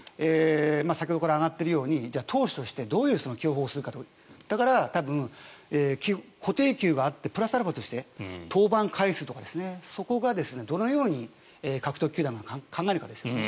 先ほどから挙がっているように投手としてどういう起用法をするかだから、多分、固定給があってプラスアルファとして登板回数とか、そこがどのように獲得球団が考えるかですね。